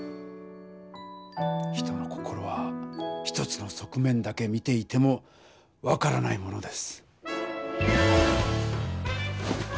人の心は一つの側面だけ見ていても分からないものです。